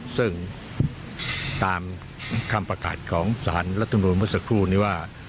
ซึ่งตามคำประกาศของสารรัฐมนุนเมื่อสักครู่นี้ว่า